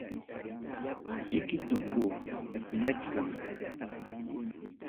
Chiki tuku takillachkan.